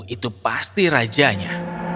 itu pasti rajanya